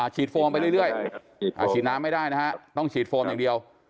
ชีดโฟมไปเรื่อยต้องฉีดโฟมอย่างเดียว